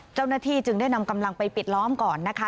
เจ้าหน้าที่จึงได้นำกำลังไปปิดล้อมก่อนนะคะ